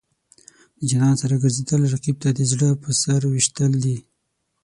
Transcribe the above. د جانان سره ګرځېدل، رقیب ته د زړه په سر ویشتل دي.